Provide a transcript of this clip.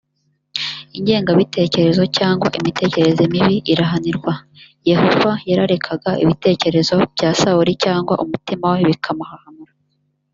ingengabitekerezo cyangwa imitekerereze mibi irahanirwa. yehova yararekaga ibitekerezo bya sawuli cyangwa umutima we bikamuhahamura